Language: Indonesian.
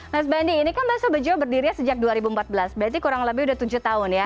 mas bandi ini kan bakso bejo berdirinya sejak dua ribu empat belas berarti kurang lebih udah tujuh tahun ya